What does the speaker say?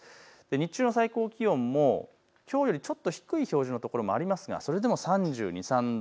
日中の最高気温もきょうよりちょっと低い数字のところもありますが、それでも３２、３３度。